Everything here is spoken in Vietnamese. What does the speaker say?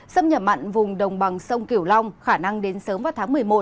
xâm nhập mặn vùng đồng bằng sông kiểu long khả năng đến sớm vào tháng một mươi một